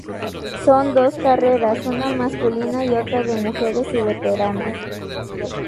Son dos carreras, una masculina y otra de mujeres y veteranos.